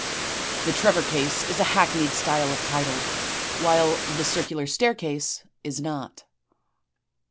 "The Trevor Case," is a hackneyed style of title, while "The Circular Staircase" is not.